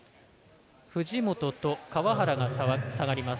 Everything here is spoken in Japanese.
藤本と川原が下がります。